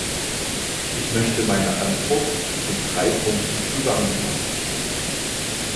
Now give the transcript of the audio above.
Ich möchte meine Antwort in drei Punkten zusammenfassen.